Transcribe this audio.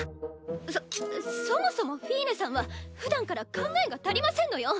そそもそもフィーネさんはふだんから考えが足りませんのよ。